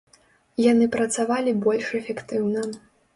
Яны працавалі больш эфектыўна.